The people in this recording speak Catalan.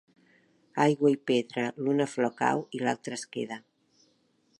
Aigua i pedra, l'una flor cau i l'altra es queda.